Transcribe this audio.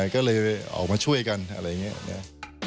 ก็เลยออกมาช่วยกันอะไรอย่างนี้นะ